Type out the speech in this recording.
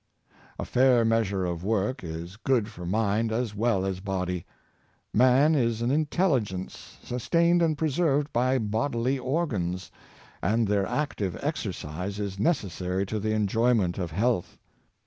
A fair measure of work is good for mind as well as body. Man is an intelligence sustained and preserved by bodily organs, and their active exercise is necessary to the enjoyment of health.